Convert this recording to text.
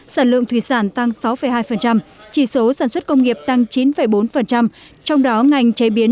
sản lượng thủy sản tăng sáu hai chỉ số sản xuất công nghiệp tăng chín bốn trong đó ngành chế biến